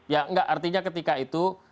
ya enggak artinya ketika itu